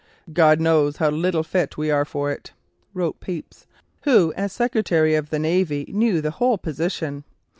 "God knows how little fit we are for it," wrote Pepys, who as Secretary of the Navy knew the whole position.